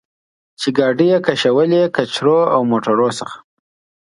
چې ګاډۍ یې کشولې، قچرو او موټرو څخه.